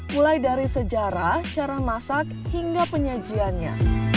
mulai dari sejarah cara masak hingga penyajiannya